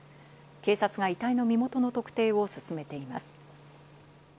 警察が遺体の身元の特定を進めています。